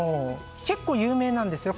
結構有名なんですよ。